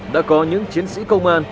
đã có những chiến sĩ công an